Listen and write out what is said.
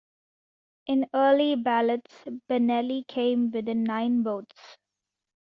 In early ballots, Benelli came within nine votes.